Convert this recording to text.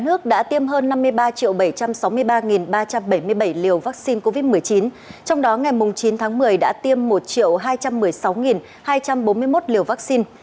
một ba trăm bảy mươi bảy liều vắc xin covid một mươi chín trong đó ngày chín tháng một mươi đã tiêm một hai trăm một mươi sáu hai trăm bốn mươi một liều vắc xin